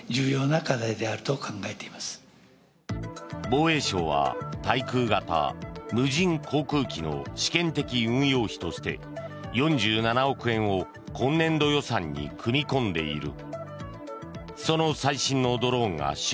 防衛省は滞空型無人航空機の試験的運用費として、４７億円を今年度予算に組み込んでいる。